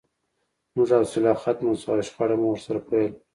زموږ حوصله ختمه شوه او شخړه مو ورسره پیل کړه